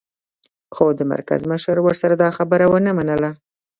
خو د مرکز مشر ورسره دا خبره و نه منله